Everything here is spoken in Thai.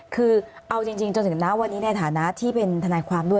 คือเอาจริงจนถึงนะวันนี้ในฐานะที่เป็นทนายความด้วย